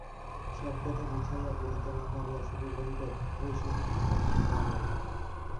সব কথা গুছাইয়া বলিতে না পারিয়া শুধু বলিল, ওই সখী ঠাকুরমা যা লোক!